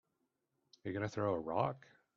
Are you gonna throw a rock?